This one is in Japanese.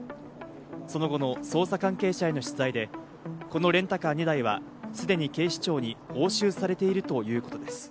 その後の捜査関係者への取材で、このレンタカー２台はすでに警視庁に押収されているということです。